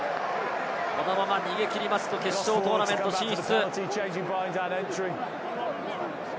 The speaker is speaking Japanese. このまま逃げ切ると決勝トーナメント進出。